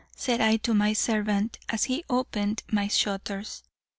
said I to my servant, as he opened my shutters.